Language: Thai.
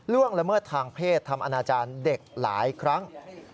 ละเมิดทางเพศทำอนาจารย์เด็กหลายครั้ง